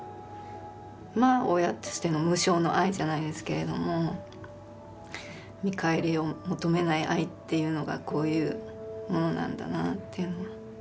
親としての無償の愛じゃないですけれども見返りを求めない愛っていうのがこういうものなんだなっていうのは。